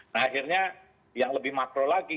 nah akhirnya yang lebih makro lagi